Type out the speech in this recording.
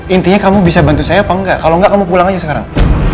intinya kamu bisa bantu saya apa enggak kalau enggak kamu pulang aja sekarang